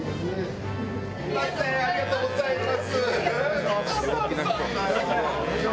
ありがとうございます。